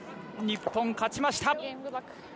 日本、勝ちました。